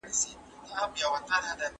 کل او جز باید وپیژندل سي.